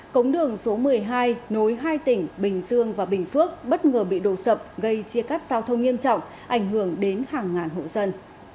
cống đường số một mươi hai nối hai tỉnh bình dương và bình phước bất ngờ bị đổ sập gây chia cắt giao thông nghiêm trọng ảnh hưởng đến hàng ngàn hộ dân